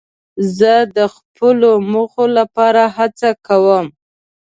زه د خپلو موخو لپاره هڅه کوم.